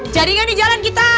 jadi nggak di jalan kita